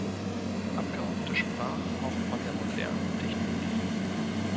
Der Abgeordnete sprach auch von der modernen Technologie.